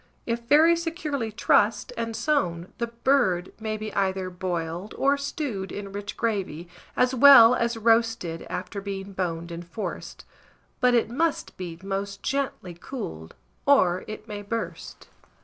If very securely trussed, and sewn, the bird may be either boiled, or stewed in rich gravy, as well as roasted, after being boned and forced; but it must be most gently cooled, or it may burst.